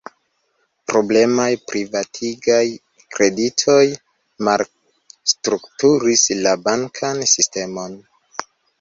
Problemaj privatigaj kreditoj malstrukturis la bankan sistemon.